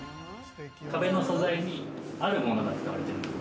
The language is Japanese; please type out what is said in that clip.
壁の素材に、あるものが使われてる。